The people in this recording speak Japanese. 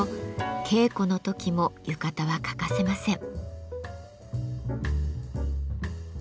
稽古の時も浴衣は欠かせません。